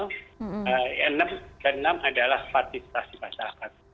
dan enam adalah partisipasi masyarakat